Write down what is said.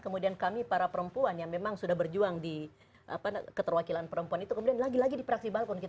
kemudian kami para perempuan yang memang sudah berjuang di keterwakilan perempuan itu kemudian lagi lagi di praksi balkon